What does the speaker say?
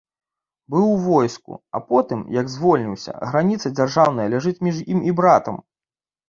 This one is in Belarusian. Быў у войску, а потым, як звольніўся, граніца дзяржаўная ляжыць між ім і братам.